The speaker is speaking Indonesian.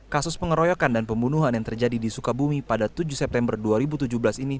kasus pengeroyokan dan pembunuhan yang terjadi di sukabumi pada tujuh september dua ribu tujuh belas ini